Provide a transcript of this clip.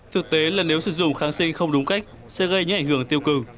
thực tế là nếu sử dụng kháng sinh không đúng cách sẽ gây những ảnh hưởng tiêu cực